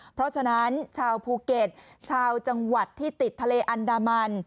เพราะฉะนั้นชาวภูเก็ตชาวจังหวัดที่ติดทะเลอันดามัน